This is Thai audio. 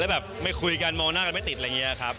แบบไม่คุยกันมองหน้ากันไม่ติดอะไรอย่างนี้ครับ